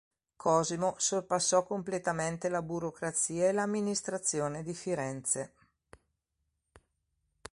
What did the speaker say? Cosimo sorpassò completamente la burocrazia e l'amministrazione di Firenze.